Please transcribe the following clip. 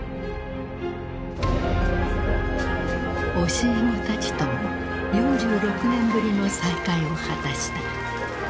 教え子たちとも４６年ぶりの再会を果たした。